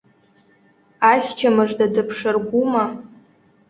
Ахьча мыжда дыԥшаргәума?